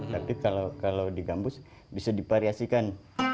tapi kalau di gambus bisa dipariasikan